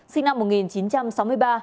sinh năm một nghìn chín trăm sáu mươi ba